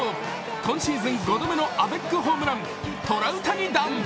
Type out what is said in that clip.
今シーズン５度目のアベックホームラン、トラウタニ弾。